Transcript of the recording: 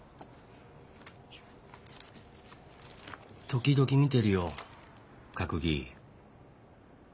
時々見てるよ閣議。